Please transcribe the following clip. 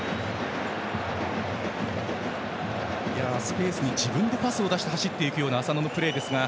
スペースに自分でパスを出し走っていくような浅野のプレーですが。